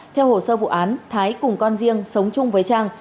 theo hồ sơ vụ án thái cùng con riêng sống chung với trang